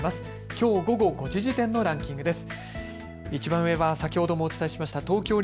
きょう午後５時時点のランキングです。